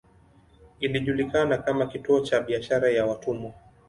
Ilijulikana kama kituo cha biashara ya watumwa.